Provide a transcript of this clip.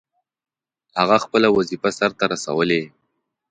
هغه خپله وظیفه سرته رسولې.